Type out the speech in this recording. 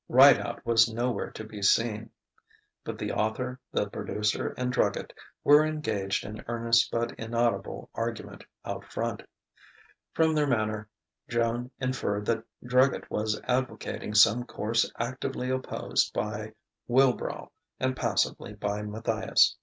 Rideout was nowhere to be seen, but the author, the producer, and Druggett were engaged in earnest but inaudible argument "out front." From their manner Joan inferred that Druggett was advocating some course actively opposed by Wilbrow and passively by Matthias.